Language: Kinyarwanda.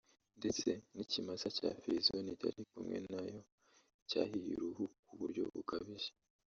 ndetse n’ikimasa cya firizoni cyari kumwe nayo cyahiye uruhu ku buryo bukabije